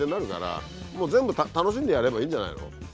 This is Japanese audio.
もう全部楽しんでやればいいんじゃないの？